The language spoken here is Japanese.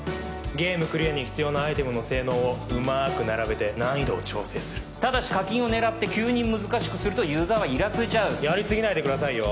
ゲームクリアに必要なアイテムの性能をうまく並べて難易度を調整するただし課金を狙って急に難しくするとユーザーはイラついちゃうやりすぎないでくださいよ